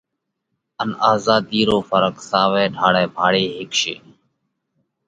ان آزاڌِي رو ڦرق ساوئہ ڍاۯئہ ڀاۯي هيڪشي.